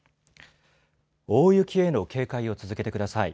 大雪への警戒を続けてください。